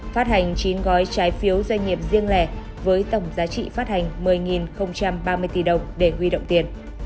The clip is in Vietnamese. phát hành chín gói trái phiếu doanh nghiệp riêng lẻ với tổng giá trị phát hành một mươi ba mươi tỷ đồng để huy động tiền